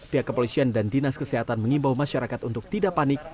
pihak kepolisian dan dinas kesehatan mengimbau masyarakat untuk tidak panik